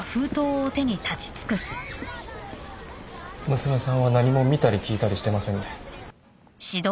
娘さんは何も見たり聞いたりしてませんね。